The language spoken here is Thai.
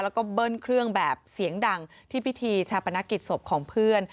แล้วก็เบิ้ลเครื่องแบบเสียงดังที่พิธีชาปนกิจศพของเพื่อน